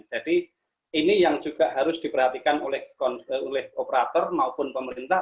jadi ini yang juga harus diperhatikan oleh operator maupun pemerintah